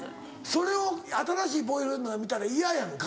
それを新しいボーイフレンドが見たら嫌やんか。